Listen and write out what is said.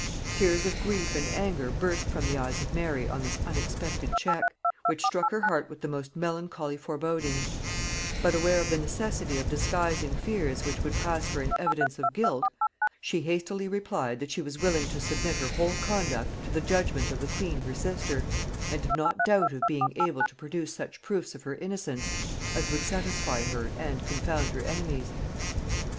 Tears of grief and anger burst from the eyes of Mary on this unexpected check, which struck her heart with the most melancholy forebodings; but aware of the necessity of disguising fears which would pass for an evidence of guilt, she hastily replied, that she was willing to submit her whole conduct to the judgement of the queen her sister, and did not doubt of being able to produce such proofs of her innocence as would satisfy her and confound her enemies.